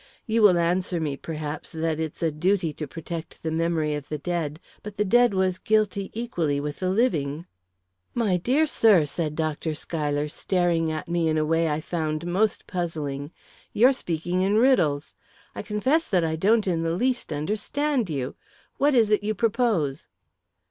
You will answer me, perhaps, that it's a duty to protect the memory of the dead; but the dead was guilty equally with the living." "My dear sir," said Dr. Schuyler, staring at me in a way I found most puzzling, "you're speaking in riddles. I confess that I don't in the least understand you. What is it you propose?"